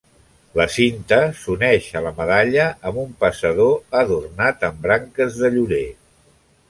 La cinta s'uneix a la medalla amb un passador adornat amb branques de llorer.